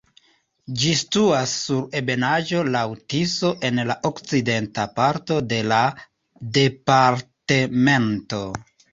Ĝi situas sur ebenaĵo laŭ Tiso en la okcidenta parto de la departemento.